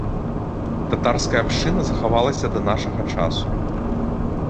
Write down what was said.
Татарская абшчына захавалася да нашага часу.